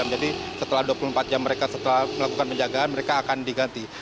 jadi setelah dua puluh empat jam mereka setelah melakukan penjagaan mereka akan diganti